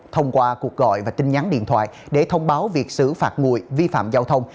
thông qua cuộc gọi và tin nhắn điện thoại để thông báo việc xử phạt nguội vi phạm giao thông